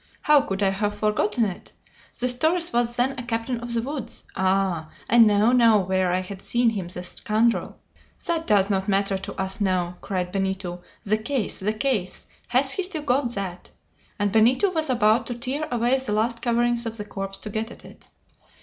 How could I have forgotten it! This Torres was then a captain of the woods. Ah! I know now where I had seen him, the scoundrel!" "That does not matter to us now!" cried Benito. "The case! the case! Has he still got that?" and Benito was about to tear away the last coverings of the corpse to get at it.